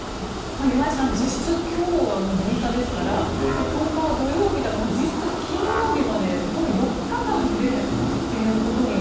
岩井さん、実質今日が６日ですから１０日は土曜日だから実質、金曜日までこの４日間でということに。